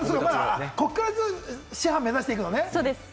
こっから師範、目指していくのね。